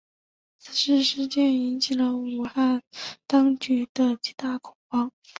此次事件引起了武汉当局的极大恐慌。